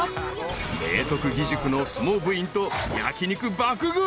［明徳義塾の相撲部員と焼き肉爆食い］